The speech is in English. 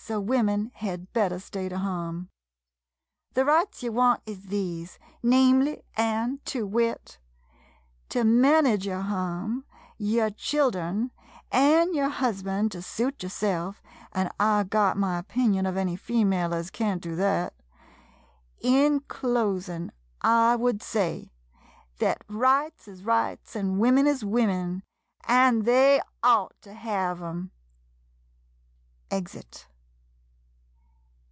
So women hed better stay to hum. The rights ye want is these — namely an' to wit — to manage yer hum, yer chil dern, an' yer husband to suit yerself, an' I got my opinion of any female as can't do thet. In closin', I would say — thet rights is rights — an' women is women — an' they ought to hev 'em! [Exit.